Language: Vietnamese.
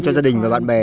cho gia đình và bạn bè